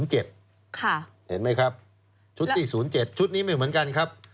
เห็นไหมครับชุดที่๐๗ชุดนี้ไม่เหมือนกันครับ